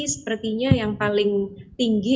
sepertinya yang paling tinggi